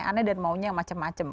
yang aneh aneh dan maunya macam macam